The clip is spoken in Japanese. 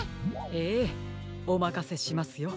ええおまかせしますよ。